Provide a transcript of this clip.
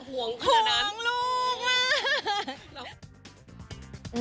ห่วงคนนั้นห่วงลูกมาก